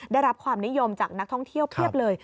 ได้รับความนิยมจากนักท่องเที่ยวเพียบเลย